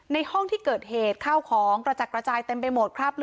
ในห้องที่เกิดเหตุข้าวของกระจัดกระจายเต็มไปหมดคราบเลือด